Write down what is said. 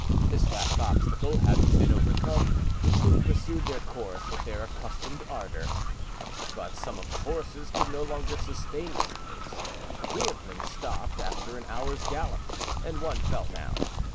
This last obstacle having been overcome, the troop pursued their course with their accustomed ardor; but some of the horses could no longer sustain this pace; three of them stopped after an hour's gallop, and one fell down.